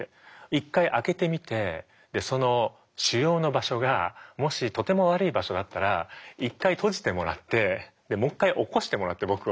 一回開けてみてその腫瘍の場所がもしとても悪い場所だったら一回閉じてもらってもう一回起こしてもらって僕を。